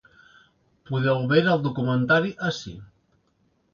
Podeu veure el documentari ací.